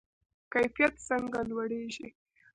کیفیت څنګه لوړیږي؟